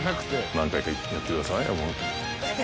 何回かやってください。